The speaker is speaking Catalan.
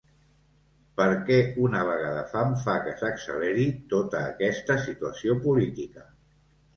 Perquè una vaga de fam fa que s’acceleri tota aquesta situació política.